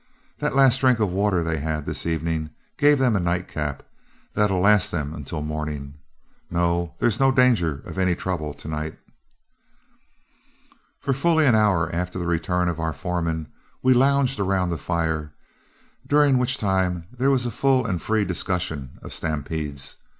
That last drink of water they had this evening gave them a night cap that'll last them until morning. No, there's no danger of any trouble to night." For fully an hour after the return of our foreman, we lounged around the fire, during which there was a full and free discussion of stampedes.